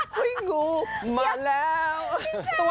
เห้ยงูมาแล้วพี่แทคล้ะ